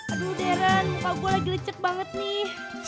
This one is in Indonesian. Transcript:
aduh darren muka gue lagi lecek banget nih